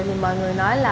thì mọi người nói